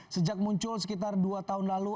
sejak muncul sekitar dua tahun lalu